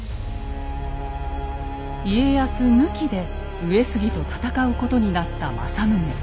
家康抜きで上杉と戦うことになった政宗。